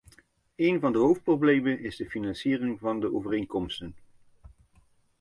Een van de hoofdproblemen is de financiering van de overeenkomsten.